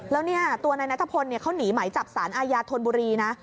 แล้วเนี่ยตัวนายนัทพลเขาหนีไหมจับสารอาญาธนบุรีนะ